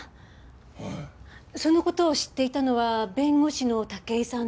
その事を知っていたのは弁護士の武井さんと。